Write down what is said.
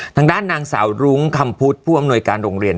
ทางด้านนางสาวรุ้งคำพุทธผู้อำนวยการโรงเรียน